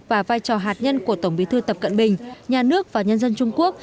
và vai trò hạt nhân của tổng bí thư tập cận bình nhà nước và nhân dân trung quốc